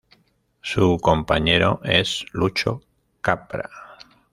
Su compañero es Lucho Capra.